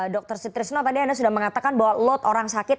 dr sutrisno tadi anda sudah mengatakan bahwa load orang sakit